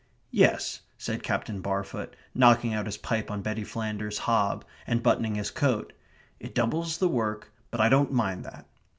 "Yes," said Captain Barfoot, knocking out his pipe on Betty Flanders's hob, and buttoning his coat. "It doubles the work, but I don't mind that."